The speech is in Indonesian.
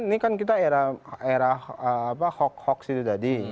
ini kan kita era hoax hoax itu tadi